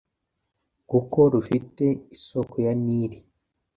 kuko rufite isoko ya nili